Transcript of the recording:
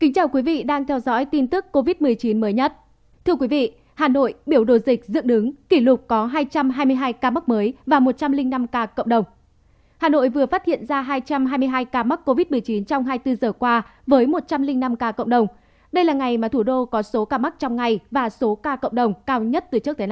cảm ơn các bạn đã theo dõi